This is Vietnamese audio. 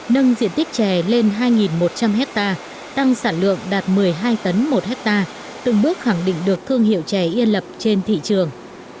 nâng diện tích chè lên hai một trăm linh hectare tăng sản lượng đạt một mươi hai tấn một hectare từng bước khẳng định được thương hiệu chè yên lập trên thị trường